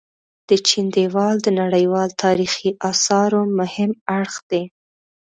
د چين ديوال د نړيوال تاريخي اثارو مهم اړخ دي.